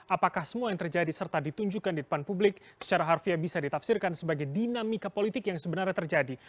apakah semua yang terjadi serta ditunjukkan di depan publik secara harfiah bisa ditafsirkan sebagai dinamika politik yang sebenarnya terjadi